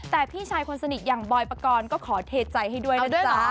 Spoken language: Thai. แต่พี่ชายคนสนิทอย่างบอยปกรณ์ก็ขอเทใจให้ด้วยนะด้วยเหรอ